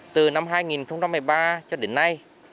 từ năm hai nghìn một mươi ba cho đến nay